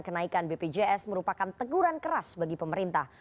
kenaikan bpjs merupakan teguran keras bagi pemerintah